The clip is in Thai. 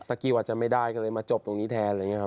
สกิวอาจจะไม่ได้ก็เลยมาจบตรงนี้แทน